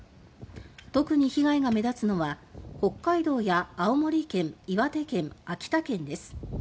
特に被害が目立つのは北海道や青森県岩手県、秋田県です。